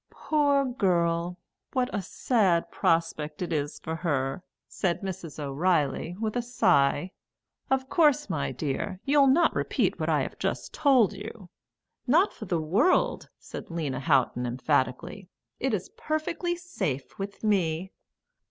"Poor girl! What a sad prospect it is for her!" said Mrs. O'Reilly with a sigh. "Of course, my dear, you'll not repeat what I have just told you." "Not for the world!" said Lena Houghton emphatically. "It is perfectly safe with me."